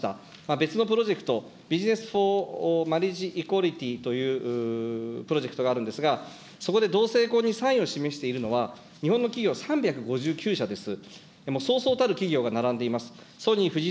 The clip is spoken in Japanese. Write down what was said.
別のプロジェクト、ビジネスフォーマリッジイコリティーというプロジェクトがあるんですが、そこで同性婚にサインを示しているのは、日本の企業３５９社です。